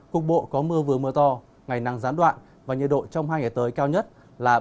cục bộ có mưa vừa mưa to ngày nắng gián đoạn và nhiệt độ trong hai ngày tới cao nhất là ba mươi ba mươi ba độ